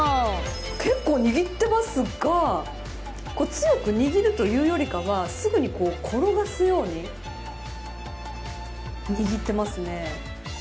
結構握ってますが強く握るというよりかはすぐに転がすように握っていますね。